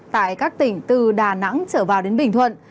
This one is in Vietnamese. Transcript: tại các tỉnh từ đà nẵng trở vào đến bình thuận